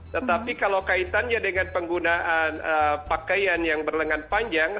tetapi kalau kaitannya dengan penggunaan pakaian yang berlengan panjang